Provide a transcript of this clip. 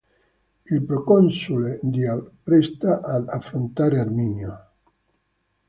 Il proconsole di appresta ad affrontare Arminio.